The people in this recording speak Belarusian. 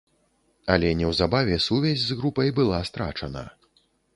Але неўзабаве сувязь з групай была страчана.